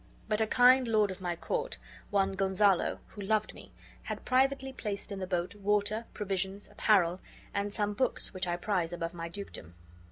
But a kind lord of my court, one Gonzalo, who loved me, had privately placed in the boat water, provisions, apparel, and some books which I prize above my dukedom."